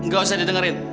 gak usah didengerin